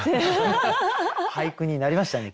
俳句になりましたね